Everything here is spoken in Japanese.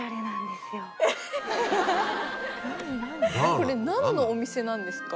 これ何のお店なんですか？